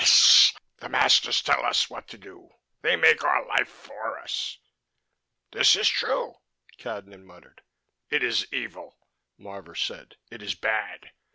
"The masters tell us what to do. They make our life for us." "This is true," Cadnan muttered. "It is evil," Marvor said. "It is bad.